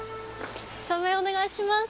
署名お願いします。